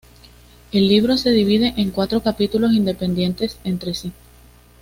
El libro se divide en cuatro capítulos independientes entre sí.